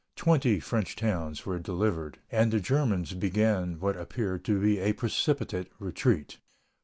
Twenty French towns were delivered, and the Germans began what appeared to be a precipitate retreat.